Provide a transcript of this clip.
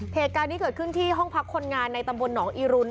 เหตุการณ์นี้เกิดขึ้นที่ห้องพักคนงานในตำบลหนองอีรุน